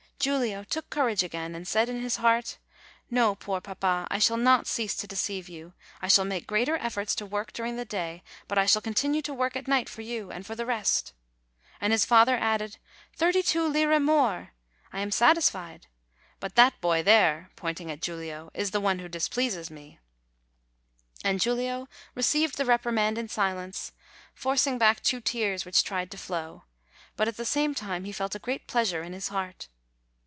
Giulio took courage again, and said in his heart, "No, poor papa, I shall not cease to deceive you; I shall make greater efforts to work during the day, but I shall continue to work at night for you and for the rest." And his father added, "Thirty two lire more! THE LITTLE FLORENTINE SCRIBE 75 I am satisfied. But that boy there," pointing at Giulio, "is the one who displeases me." And Giulio received the reprimand in silence, forcing back two tears which tried to flow ; but at the same time he felt a great pleasure in his heart.